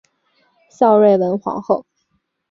孝端文皇后。